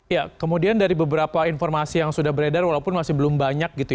ya kemudian dari beberapa informasi yang sudah beredar walaupun masih belum banyak gitu ya